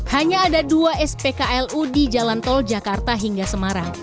hanya ada dua spklu di jalan tol jakarta hingga semarang